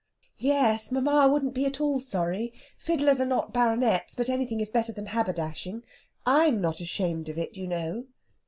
"Yes; mamma wouldn't be at all sorry. Fiddlers are not Baronets, but anything is better than haberdashing. I'm not ashamed of it, you know."